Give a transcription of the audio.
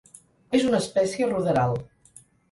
És una espècie ruderal.